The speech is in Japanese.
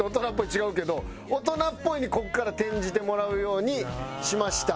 違うけど「大人っぽい」にここから転じてもらうようにしました。